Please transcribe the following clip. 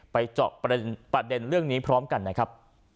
เจาะประเด็นเรื่องนี้พร้อมกันนะครับ